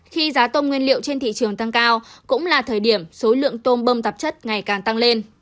khi giá tôm nguyên liệu trên thị trường tăng cao cũng là thời điểm số lượng tôm bơm tạp chất ngày càng tăng lên